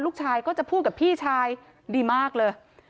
ลูกชายก็จะพูดกับพี่ชายดีมากเลย